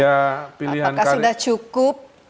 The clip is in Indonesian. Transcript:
apakah sudah cukup